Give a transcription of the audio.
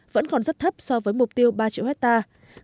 vẫn còn rất thấp so với mục tiêu ba triệu hectare